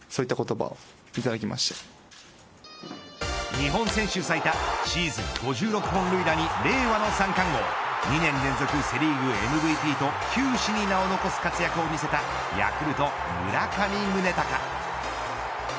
日本選手最多シーズン５６本塁打に令和の三冠王２年連続セ・リーグＭＶＰと球史に名を残す活躍を見せたヤクルト村上宗隆。